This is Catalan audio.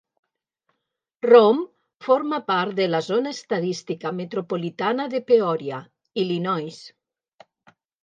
Rome forma part de la zona estadística metropolitana de Peoria, Illinois.